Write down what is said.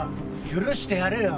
許してやるよ。